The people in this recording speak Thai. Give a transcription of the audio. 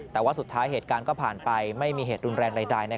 แต่ว่าสุดท้ายเหตุการณ์ก็ผ่านไปไม่มีเหตุรุนแรงใด